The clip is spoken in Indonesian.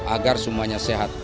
agar semuanya sehat